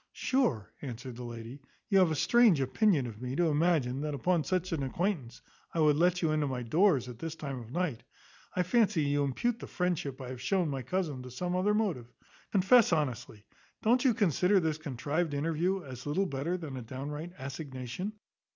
"Sure," answered the lady, "you have a strange opinion of me, to imagine, that upon such an acquaintance, I would let you into my doors at this time of night. I fancy you impute the friendship I have shown my cousin to some other motive. Confess honestly; don't you consider this contrived interview as little better than a downright assignation?